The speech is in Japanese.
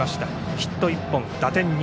ヒット１本、打点２。